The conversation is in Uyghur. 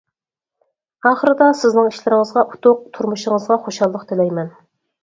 ئاخىرىدا سىزنىڭ ئىشلىرىڭىزغا ئۇتۇق تۇرمۇشىڭىزغا خۇشاللىق تىلەيمەن.